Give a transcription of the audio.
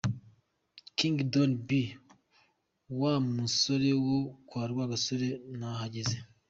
King Donny B wa musore wo kwa Rwagasore nahageze.